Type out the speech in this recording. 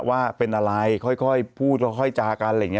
ว่าเป็นอะไรค่อยพูดค่อยจากันอะไรอย่างนี้